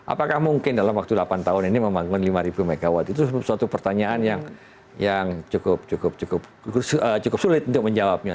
apakah mungkin dalam waktu delapan tahun ini membangun lima mw itu suatu pertanyaan yang cukup sulit untuk menjawabnya